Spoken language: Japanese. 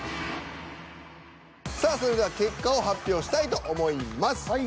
さあそれでは結果を発表したいと思います。